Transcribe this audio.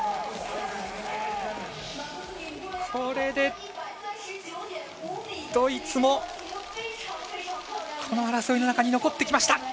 これでドイツもこの争いの中に残ってきました。